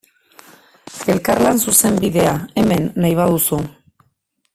Elkarlan zuzenbidea, hemen, nahi baduzu.